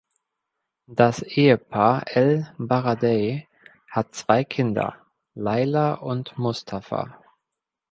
Das Ehepaar el-Baradei hat zwei Kinder, Laila und Mustafa.